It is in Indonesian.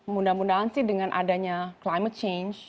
mudah mudahan sih dengan adanya climate change